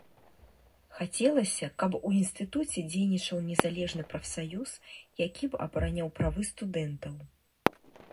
Хацелася, каб у інстытуце дзейнічаў незалежны прафсаюз, які б абараняў правы студэнтаў.